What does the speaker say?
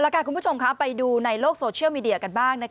คุณผู้ชมไปดูในโลกโซเชียลมีเดียกันบ้าง